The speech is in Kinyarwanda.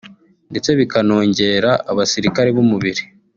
ndetse bikanongera abasirikare b’umubiri